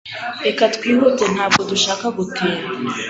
Reka twihute Ntabwo dushaka gutinda